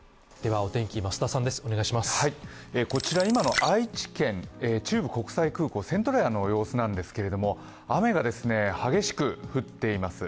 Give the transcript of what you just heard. こちら今の愛知県中部国際空港セントレアの様子なんですが、雨が激しく降っています。